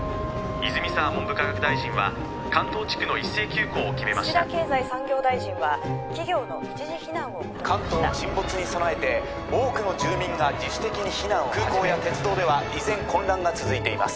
泉沢文部科学大臣は関東地区の一斉休校を決めました土田経済産業大臣は企業の一時避難を求めました関東沈没に備えて多くの住民が自主的に避難を始め空港や鉄道では依然混乱が続いています